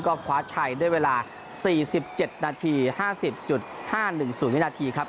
ก็คว้าชัยด้วยเวลา๔๗นาที๕๐๕๑๐วินาทีครับ